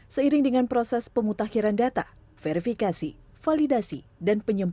kementerian pendidikan dan kebudayaan menyalurkan bantuan kuota data internet